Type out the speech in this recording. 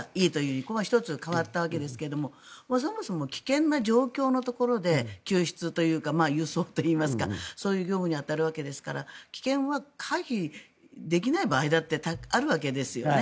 ここが１つ変わったわけですがそもそも危険な状況のところで救出というか輸送といいますかそういう業務に当たるわけですから危険は回避できない場合だってあるわけですよね。